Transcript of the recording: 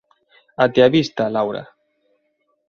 Até a vista, Laura.